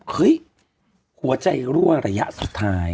เฮ้ยหัวใจรั่วระยะสุดท้าย